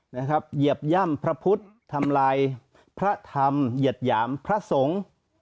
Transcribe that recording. เหยียบย่ำพระพุทธทำลายพระธรรมเหยียดหยามพระสงฆ์